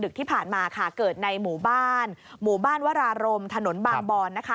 เดือกที่ผ่านมาค่ะเกิดในหมู่บ้านแหวะรรมถนนบางบรอดนะคะ